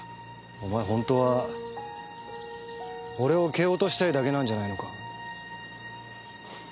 お前本当は俺を蹴落としたいだけなんじゃないのか。